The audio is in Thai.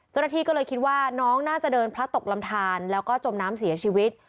เจ้าหน้าที่ก็เลยคิดว่าน้องน่าจะเดินพระตกลำทานแล้วก็จมน้ำเสียชีวิต